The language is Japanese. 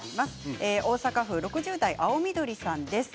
大阪府６０代の方です。